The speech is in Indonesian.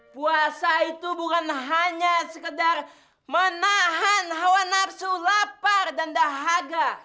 puasa itu bukan hanya sekedar menahan hawa nafsu lapar dan dahaga